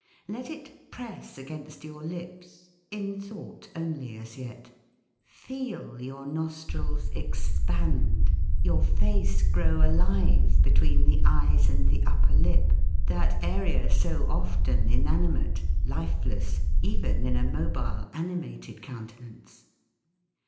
Let it press against your lips (in thought only as yet), feel your nostrils expand, your face grow alive between the eyes and the upper lip, that area so often inanimate, life less, even in a mobile, animated countenance.